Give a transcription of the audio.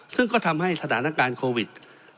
ซึ่งก็ทำให้สถานการณ์โควิด